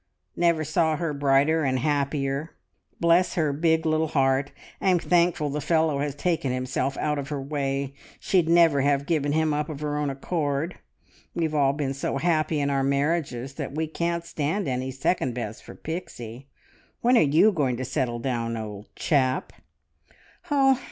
"Never saw her brighter and happier. Bless her big, little heart! I'm thankful the fellow has taken himself out of her way. She'd never have given him up of her own accord. We've all been so happy in our marriages that we can't stand any second bests for Pixie! When are you going to settle down, old chap?"